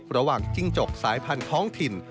ระหว่างจิ้งจกสายพันธุ์ของถิ่น